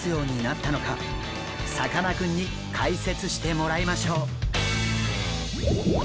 さかなクンに解説してもらいましょう。